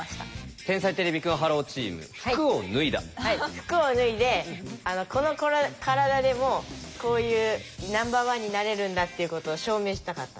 服を脱いでこの体でもこういうナンバーワンになれるんだっていうことを証明したかった。